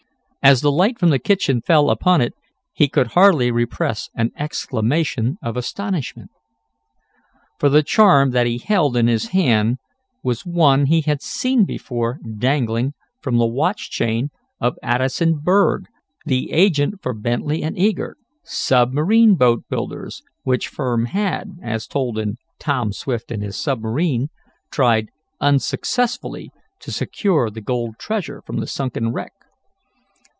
As the light from the kitchen fell upon it he could hardly repress an exclamation of astonishment. For the charm that he held in his hand was one he had seen before dangling from the watch chain of Addison Berg, the agent for Bentley & Eagert, submarine boat builders, which firm had, as told in "Tom Swift and His Submarine," tried unsuccessfully to secure the gold treasure from the sunken wreck.